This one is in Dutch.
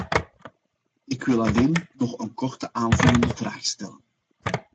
Ik wil alleen nog een korte aanvullende vraag stellen.